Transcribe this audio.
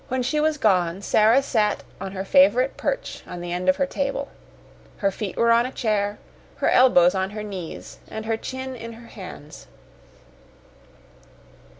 When she was gone Sara sat on her favorite perch on the end of her table. Her feet were on a chair, her elbows on her knees, and her chin in her hands.